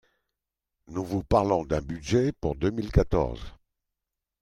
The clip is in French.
Nous vous parlons du budget pour deux mille quatorze